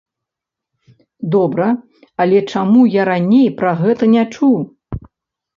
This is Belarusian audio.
Добра, але чаму я раней пра гэта не чуў?